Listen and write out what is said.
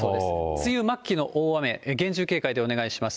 梅雨末期の大雨、厳重警戒でお願いします。